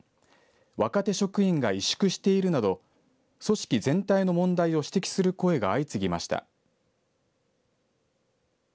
若手職員が委縮しているなど組織全体の問題を指摘する声が相次ぎました。